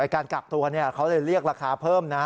การกักตัวเขาเลยเรียกราคาเพิ่มนะ